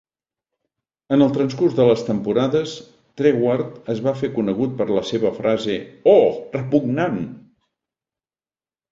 En el transcurs de les temporades, Treguard es va fer conegut per la seva frase "Ooh, repugnant"!